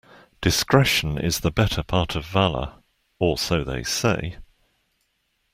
Discretion is the better part of valour, or so they say.